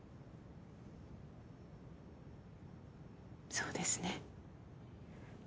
そうですね。